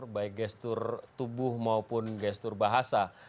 baik gestur tubuh maupun gestur bahasa